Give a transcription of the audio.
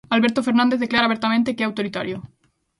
Alberto Fernández declara abertamente que é autoritario.